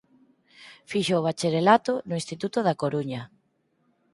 Fixo o Bacharelato no Instituto da Coruña.